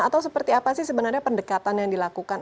atau seperti apa sih sebenarnya pendekatan yang dilakukan